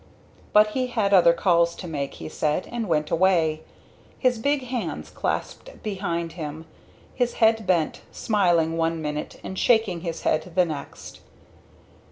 But he had other calls to make, he said, and went away, his big hands clasped behind him; his head bent, smiling one minute and shaking his head the next.